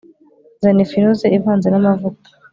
zana ifu inoze ivanze n'amavuta